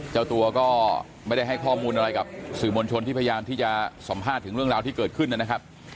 เจ้าตัวก็ไม่ได้ให้ข้อมูลอะไรกับสื่อมวลชนที่พยายามที่จะสัมภาษณ์ถึงเรื่องราวที่เกิดขึ้นนะครับ